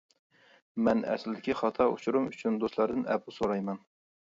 مەن ئەسلىدىكى خاتا ئۇچۇرۇم ئۈچۈن دوستلاردىن ئەپۇ سورايمەن.